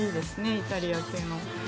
イタリア系の。